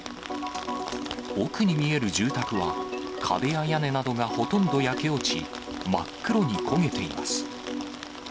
奥に見える住宅は壁や屋根などがほとんど焼け落ち、真っ黒に焦げています。